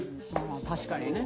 確かにね。